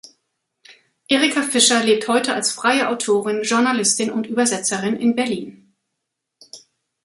Erica Fischer lebt heute als freie Autorin, Journalistin und Übersetzerin in Berlin.